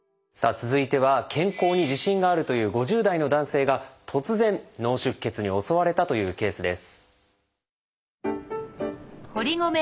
続いては健康に自信があるという５０代の男性が突然脳出血に襲われたというケースです。